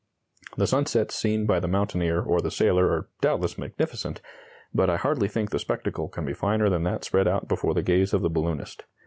"The sunsets seen by the mountaineer or the sailor are doubtless, magnificent; but I hardly think the spectacle can be finer than that spread out before the gaze of the balloonist.